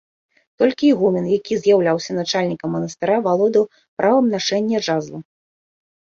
Толькі ігумен, які з'яўляўся начальнікам манастыра, валодаў правам нашэння жазла.